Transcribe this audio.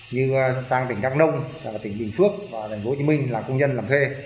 như sang tỉnh đắk nông tỉnh bình phước và thành phố hồ chí minh là công nhân làm thuê